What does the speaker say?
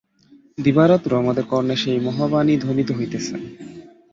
দিবারাত্র আমাদের কর্ণে সেই মহাবাণী ধ্বনিত হইতেছে।